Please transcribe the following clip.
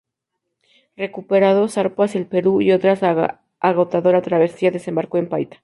Recuperado, zarpó hacia el Perú, y tras otra agotadora travesía, desembarcó en Paita.